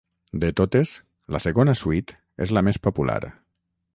De totes, la segona suite és la més popular.